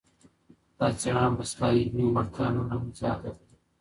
دا څېړنه به ستا علمي وړتیا نوره هم زیاته کړي.